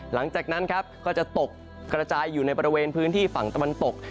หลังจากนั้นครับก็จะตกกระจายอยู่ในบริเวณพื้นที่ฝั่งตะวันตก